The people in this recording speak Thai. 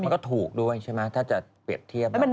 มันก็ถูกด้วยใช่ไหมถ้าจะเปรียบเทียบ